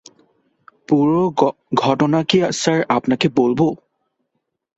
পুরো ঘটনাটা কি স্যার আপনাকে বলব?